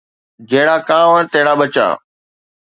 جهڙا ڪانوَ تهڙا ٻچا